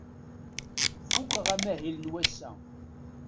Fukeɣ amahil n wass-a.